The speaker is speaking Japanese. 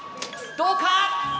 どうか！